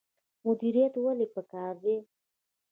مدیریت ولې پکار دی؟